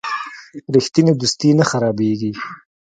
رښتینی دوستي نه خرابیږي.